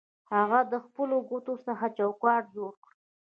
هغه د خپلو ګوتو څخه چوکاټ جوړ کړ